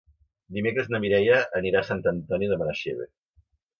Dimecres na Mireia anirà a Sant Antoni de Benaixeve.